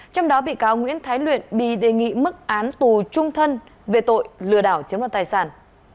trong đó bị cáo nguyễn thái luyện bị đề nghị mức án tù trung thân về tội lừa đảo chiếm đoàn tài sản